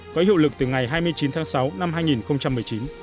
có hiệu lực từ ngày hai mươi chín tháng sáu năm hai nghìn một mươi chín